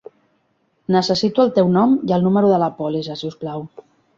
Necessito el teu nom i el número de la pòlissa si us plau.